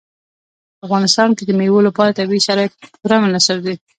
په افغانستان کې د مېوو لپاره طبیعي شرایط پوره مناسب دي.